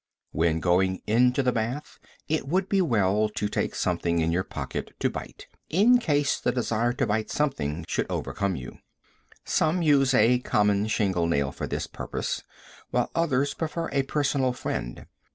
When going into the bath it would be well to take something in your pocket to bite, in case the desire to bite something should overcome you. Some use a common shingle nail for this purpose, while others prefer a personal friend.